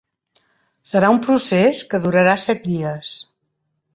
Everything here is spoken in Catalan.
Serà un procés que durarà set dies.